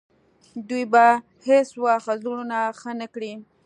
دوی به هیڅ وخت زړونه ښه نه کړي.